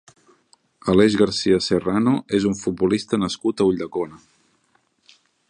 Aleix García Serrano és un futbolista nascut a Ulldecona.